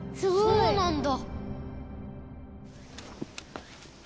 そうなんだ。